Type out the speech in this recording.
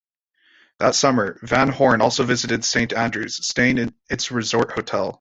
That summer, Van Horne also visited Saint Andrews, staying in its resort hotel.